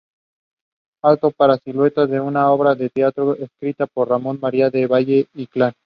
Auto para siluetas es una obra de teatro escrita por Ramón María del Valle-Inclán.